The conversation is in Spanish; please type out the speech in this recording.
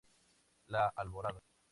La Alborada.